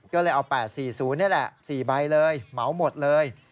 ก็เลยเอา๘๔๐นี่แหละ๔ใบเลยเหมาหมดเลย